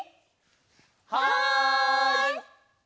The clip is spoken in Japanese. はい！